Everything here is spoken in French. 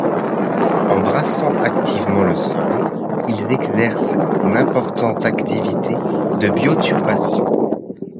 En brassant activement le sol, ils exercent une importante activité de bioturbation.